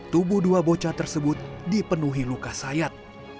tubuh dua bocah tersebut dipenuhi luka sayat